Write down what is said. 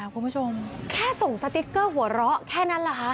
คุณผู้ชมแค่ส่งสติ๊กเกอร์หัวเราะแค่นั้นเหรอคะ